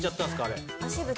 あれ。